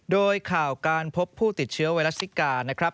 โดยข่าวการพบผู้ติดเชื้อไวรัสซิกานะครับ